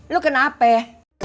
lu kenapa ya